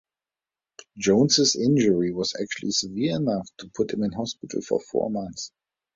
Jones's injury was actually severe enough to put him in hospital for four months.